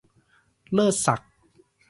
เลิศศักดิ์